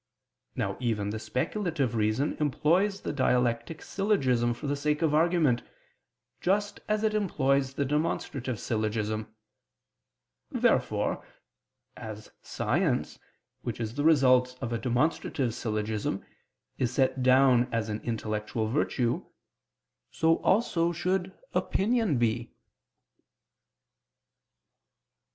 Now even the speculative reason employs the dialectic syllogism for the sake of argument, just as it employs the demonstrative syllogism. Therefore as science, which is the result of a demonstrative syllogism, is set down as an intellectual virtue, so also should opinion be.